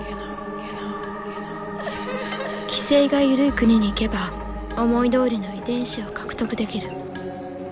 規制が緩い国に行けば思いどおりの遺伝子を獲得できる。